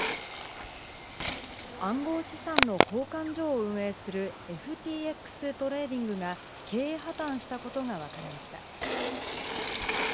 暗号資産の交換所を運営するＦＴＸトレーディングが経営破綻したことがわかりました。